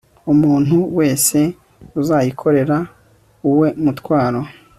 umuntu wese aziyikorera uwe mutwaro